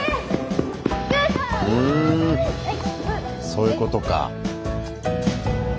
そういうことか。